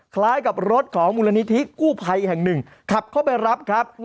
คล้ายกับรถของมูลนิธิกู้ภัยแห่งหนึ่งขับเข้าไปรับครับ